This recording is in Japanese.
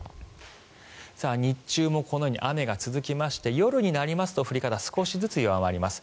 日中もこのように雨が続きまして夜になりますと降り方、少しずつ弱まります。